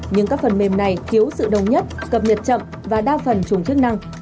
nhưng các phần mềm này thiếu sự đồng nhất cập nhật chậm và đa phần trùng chức năng